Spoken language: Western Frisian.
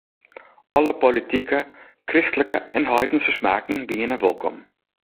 Alle politike, kristlike en heidense smaken wiene wolkom.